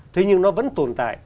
thế nhưng nó vẫn tồn tại